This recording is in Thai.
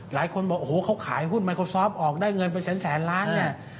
หลายคนบอกโอ้โหเขาขายหุ้นไมโครซอฟออกได้เงินเป็นแสนล้านเนี่ย